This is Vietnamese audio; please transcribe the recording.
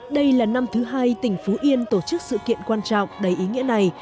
đây là năm thứ hai tỉnh phú yên tổ chức sự kiện quan trọng đầy ý nghĩa này